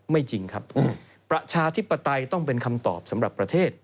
จริงครับประชาธิปไตยต้องเป็นคำตอบสำหรับประเทศ